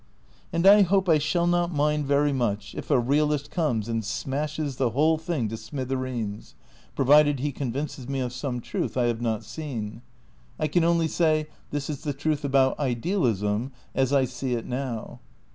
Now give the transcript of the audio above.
And I hope I shall not mind very much if a realist comes and smashes the whole thing to smithereens. INTRODUCTION xiii provided lie convinces me of some truth I have not seen. I can only say, '' This is the truth about idealism as I see it now.